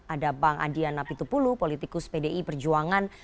ada bang adian apitupulu politikus pdi perjuangan